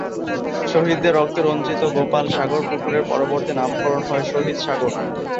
শহীদদের রক্তে রঞ্জিত ‘গোপাল সাগর’ পুকুরের পরবর্তী নামকরণ হয় ‘শহীদ সাগর’।